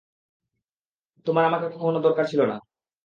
তোমার আমাকে কখনো দরকার ছিল না।